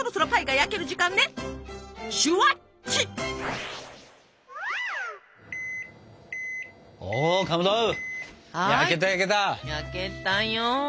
焼けたよ。